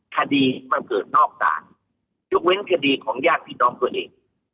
คดีมันเกิดนอกศาลยกเว้นคดีของญาติพี่น้องตัวเอง